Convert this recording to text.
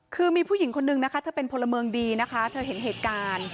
คือมีผู้หญิงคนนึงนะคะเธอเป็นพลเมืองดีนะคะเธอเห็นเหตุการณ์